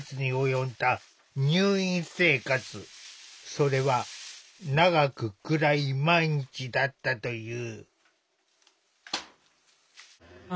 それは長く暗い毎日だったという。